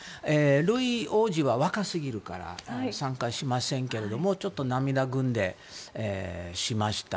ルイ王子は若すぎるから参加しませんけれどもちょっと涙ぐんでいました。